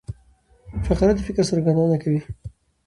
فقره د فکر څرګندونه کوي.